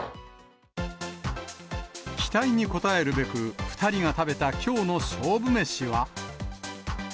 期待に応えるべく、２人が食べたきょうの勝負メシは。